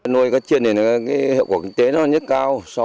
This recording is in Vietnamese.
nuôi cá chiên này là hiệu quả kinh tế nhất cao